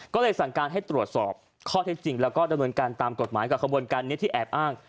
ก็เลยสั่งการให้ตรวจสอบข้อเท็จจริงแล้วก็ดำเนินการตามกฎหมายกับขบวนการนี้ที่แอบอ้าง